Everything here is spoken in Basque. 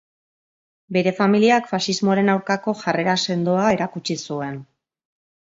Bere familiak faxismoaren aurkako jarrera sendoa erakutsi zuen.